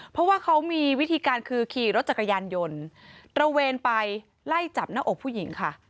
เพราะว่าเขามีวิธีการคือขี่รถจักรยานยนต์ตระเวนไปไล่จับหน้าอกผู้หญิงค่ะ